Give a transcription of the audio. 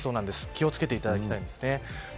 気を付けていただきたいですね。